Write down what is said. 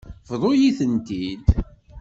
Bḍu-yi-tent-id.